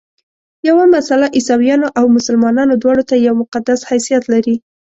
یوه مسله عیسویانو او مسلمانانو دواړو ته یو مقدس حیثیت لري.